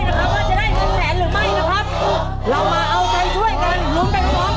เอาใจช่วยนะครับว่าจะได้กันแสนหรือไม่นะครับเรามาเอาใจช่วยกันลุ้มกันพร้อมกันครับ